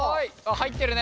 入ってるね。